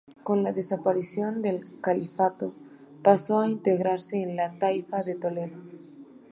Con la desaparición del Califato, pasó a integrarse en la Taifa de Toledo.